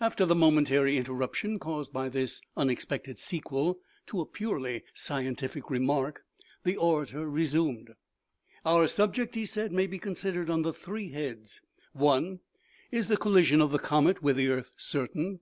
After the momentary in terruption caused by this unexpected sequel to a purely scientific remark, the orator resumed :" Our subject," he said, " may be considered under three heads : i. Is the col lision of the comet with the earth certain